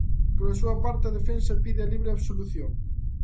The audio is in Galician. Pola súa parte, a defensa pide a libre absolución.